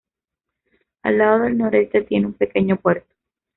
Al lado del noroeste tiene un pequeño puerto.